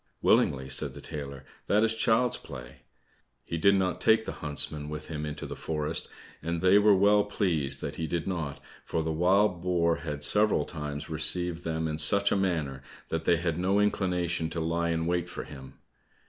"Willingly," said the tailor, "that is child's play!" He did not take the huntsmen with him into the forest, and they were well pleased that he did not, for the wild boar had several times received them in such a manner that they had no inclination to lie in wait for him.